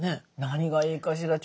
何がいいかしら。